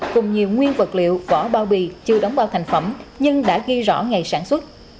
cùng nhiều nguyên vật liệu vỏ bao bì chưa đóng bao thành phẩm nhưng đã ghi rõ ngày sản xuất